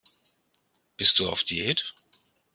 Bist du auf Diät?